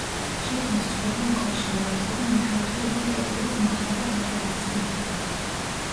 შიგნით წყობა უხეშია, ეტყობა, იმთავითვე იყო კედლების მოხატვა გათვალისწინებული.